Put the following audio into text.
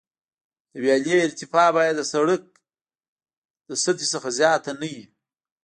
د ویالې ارتفاع باید د سرک د سطحې څخه زیاته نه وي